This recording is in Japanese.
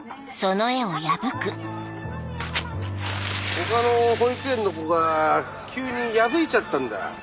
他の保育園の子が急に破いちゃったんだ。